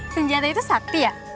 senjata itu sakti ya